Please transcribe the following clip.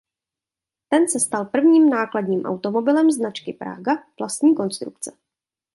Ten se stal prvním nákladním automobilem značky Praga vlastní konstrukce.